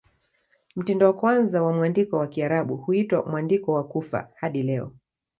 Mtindo wa kwanza wa mwandiko wa Kiarabu huitwa "Mwandiko wa Kufa" hadi leo.